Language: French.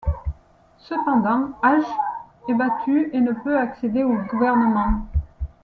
Cependant Hajj est battu et ne peut accéder au gouvernement.